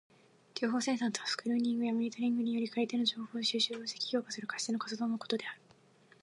情報生産とはスクリーニングやモニタリングにより借り手の情報を収集、分析、評価する貸し手の活動のことである。